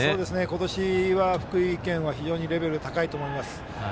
今年は福井県は非常にレベルが高いと思います。